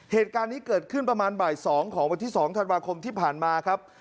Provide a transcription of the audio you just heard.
เหตุการณ์นี้เกิดขึ้นประมาณบ่าย๒ของวันที่๒ธันวาคมที่ผ่านมาครับ